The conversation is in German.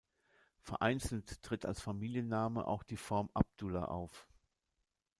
Vereinzelt tritt als Familienname auch die Form Abdulla auf.